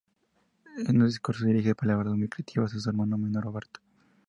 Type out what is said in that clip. En su discurso dirige palabras muy críticas a su hermano menor Roberto.